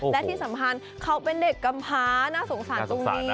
และที่สำคัญเขาเป็นเด็กกำพ้าน่าสงสารตรงนี้